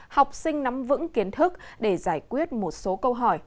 học sinh nắm vững kiến thức để giải quyết một số câu hỏi